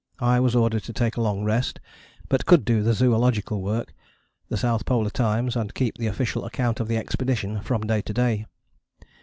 I was ordered to take a long rest, but could do the zoological work, the South Polar Times, and keep the Official Account of the Expedition from day to day.